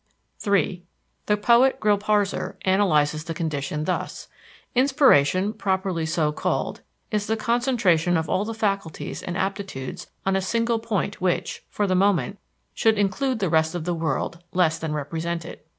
" III. The poet Grillparzer analyzes the condition, thus: "Inspiration, properly so called, is the concentration of all the faculties and aptitudes on a single point which, for the moment, should include the rest of the world less than represent it.